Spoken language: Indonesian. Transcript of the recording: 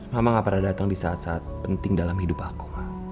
mama gak pernah datang di saat saat penting dalam hidup aku